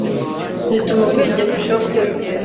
zituma ubwenge burushaho kwiyongera